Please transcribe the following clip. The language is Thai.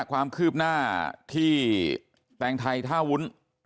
ความคืบหน้าที่แตงไทยท่าวุ้น